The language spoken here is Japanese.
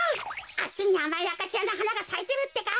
あっちにあまいアカシアのはながさいてるってか。